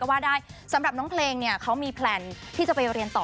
ว่าได้สำหรับน้องเพลงเนี่ยเขามีแพลนที่จะไปเรียนต่อ